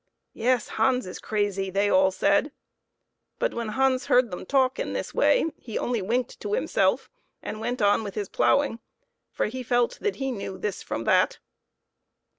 "Yes; Hans is crazy," they all said; but when Hans heard them talk in this way he only winked to himself and went on with his ploughing, for he felt that he knew this from that.